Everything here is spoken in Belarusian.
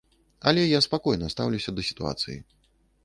Але я спакойна стаўлюся да сітуацыі.